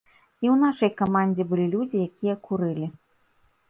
І ў нашай камандзе былі людзі, якія курылі.